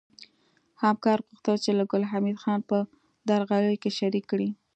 همکار غوښتل چې ګل حمید خان په درغلیو کې شریک کړي